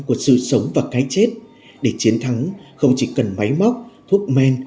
của sự sống và cái chết để chiến thắng không chỉ cần máy móc thuốc men